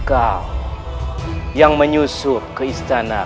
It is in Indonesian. dalam waktu dekat ini